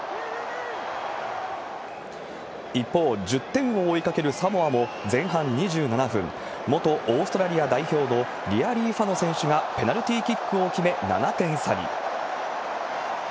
一方、１０点を追いかけるサモアも、前半２７分、元オーストラリア代表のリアリーファノ選手がペナルティキックを決め７点差に。